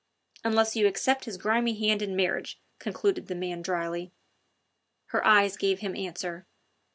"Unless you accept his grimy hand in marriage," concluded the man dryly. Her eyes gave him answer.